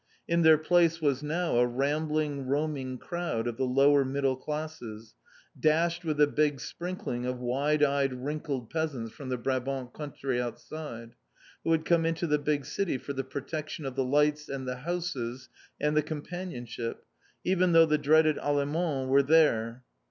In their place was now a rambling, roaming crowd of the lower middle classes, dashed with a big sprinkling of wide eyed wrinkled peasants from the Brabant country outside, who had come into the big city for the protection of the lights and the houses and the companionship, even though the dreaded "Allemands" were there.